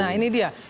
nah ini dia